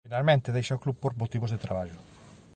Finalmente deixa o club por motivos de traballo.